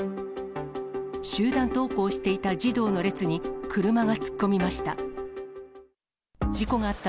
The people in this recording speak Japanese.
集団登校していた児童の列に、車が突っ込みました。